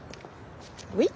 はい？